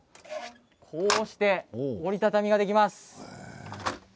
こうして折り畳みができます。